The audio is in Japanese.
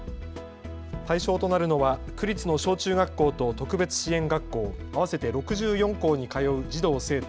対象となるのは区立の小中学校と特別支援学校合わせて６４校に通う児童・生徒